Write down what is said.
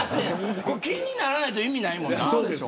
気にならないと意味ないもんな。